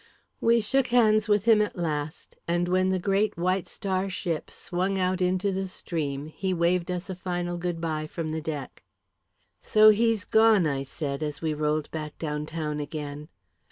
We shook hands with him, at last; and when the great White Star ship swung out into the stream, he waved us a final good bye from the deck. "So he's gone," I said, as we rolled back down town again.